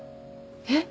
えっ？